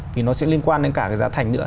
thì nó sẽ liên quan đến cả cái giá thành nữa